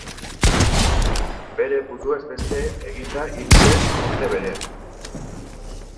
Bere buruaz beste eginda hil zen urte berean.